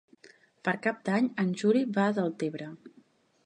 Per Cap d'Any en Juli va a Deltebre.